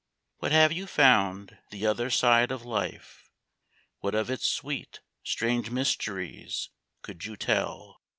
n. What have you found the other side of life? What of its sweet, strange mysteries could you teU ?